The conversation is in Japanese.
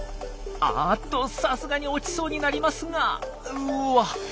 あっとさすがに落ちそうになりますがうわ